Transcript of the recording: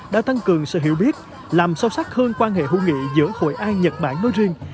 đã tăng cường sự hiểu biết làm sâu sắc hơn quan hệ hữu nghị giữa hội an nhật bản nói riêng